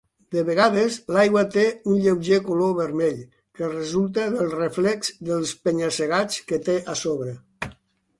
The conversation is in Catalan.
De vegades l'aigua té un lleuger color vermell, que resulta del reflex dels penya-segats que té a sobre.